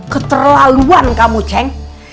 keterlaluan kamu ceng